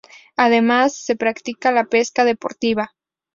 Además, se practica la pesca deportiva.